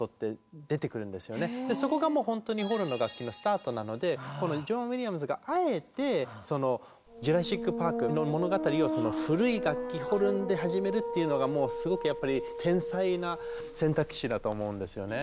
そこがもう本当にホルンの楽器のスタートなのでこのジョン・ウィリアムズがあえてその「ジュラシック・パーク」の物語をその古い楽器ホルンで始めるっていうのがもうすごくやっぱり天才な選択肢だと思うんですよね。